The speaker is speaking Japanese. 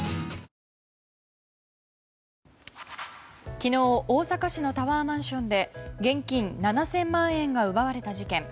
昨日大阪市のタワーマンションで現金７０００万円が奪われた事件。